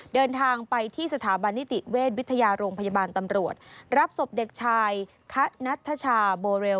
เดินทางไปที่สถาบันนิติเวชวิทยาโรงพยาบาลตำรวจรับศพเด็กชายคะนัทชาโบเรล